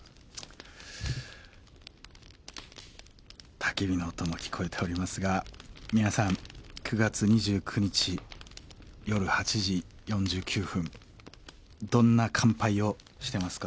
たき火の音も聞こえておりますが皆さん９月２９日夜８時４９分どんな乾杯をしてますか？